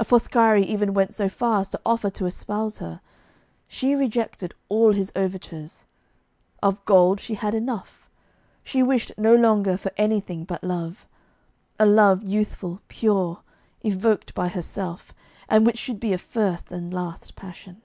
A Foscari even went so far as to offer to espouse her. She rejected all his overtures. Of gold she had enough. She wished no longer for anything but love a love youthful, pure, evoked by herself, and which should be a first and last passion.